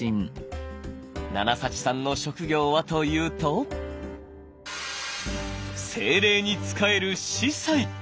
ナナ・サチさんの職業はというと精霊に仕える司祭。